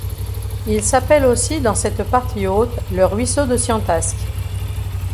Il s'appelle aussi dans cette partie haute le ruisseau de Ciantasque.